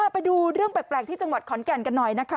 ไปดูเรื่องแปลกที่จังหวัดขอนแก่นกันหน่อยนะคะ